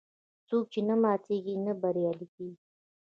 څوک چې نه ماتیږي، نه بریالی کېږي.